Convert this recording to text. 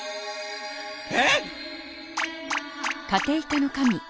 えっ？